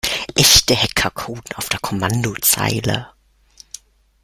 Echte Hacker coden auf der Kommandozeile.